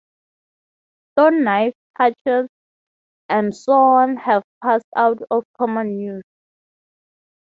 Stone knives, hatchets, and so on have passed out of common use.